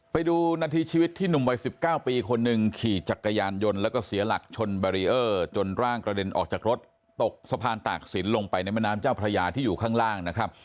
ไปดูนาทีชีวิตที่หนุ่มวัย๑๙ปีคนหนึ่งขี่จักรยานยนต์แล้วก็เสียหลักชนบารีเออร์จนร่างกระเด็นออกจากรถตกสะพานตากศิลปลงไปในแม่น้ำเจ้าพระยาที่อยู่ข้างล่างนะครับ